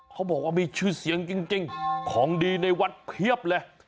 เขาบอกว่ามีชื่อเสียงจริงของดีในวัดเพียบเลย